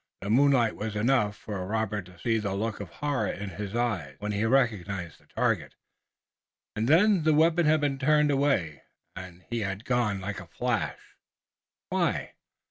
The moonlight was enough for Robert to see that look of horror in his eyes when he recognized the target. And then the weapon had been turned away and he had gone like a flash! Why?